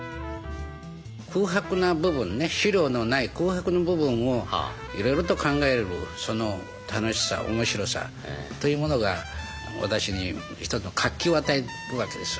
空白な部分ね資料のない空白の部分をいろいろと考えるその楽しさ面白さというものが私に一つの活気を与えるわけです。